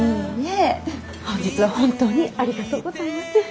本日は本当にありがとうございます。